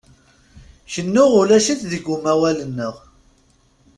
Kennu ulac-it deg umawal-nneɣ.